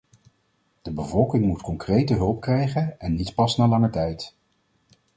De bevolking moet concrete hulp krijgen en niet pas na lange tijd.